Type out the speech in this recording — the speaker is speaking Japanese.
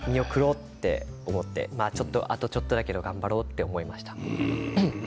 あとちょっと頑張ろうと思いました。